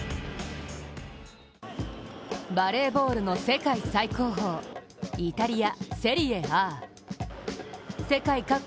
バレーボールの最高峰、イタリア・セリエＡ。